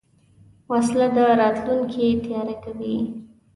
وسله د راتلونکي تیاره کوي